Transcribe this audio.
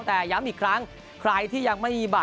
แต่ย้ำอีกครั้งใครที่ยังไม่มีบัตร